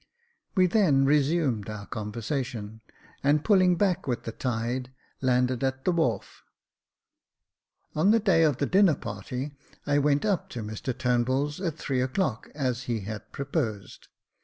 We then resumed our conversation, and pulling back with the tide, landed at the wharf. On the day of the dinner party, I went up to Mr TurnbuU's at three o'clock, as he had proposed.